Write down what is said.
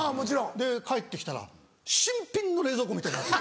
で帰って来たら新品の冷蔵庫みたいになってる。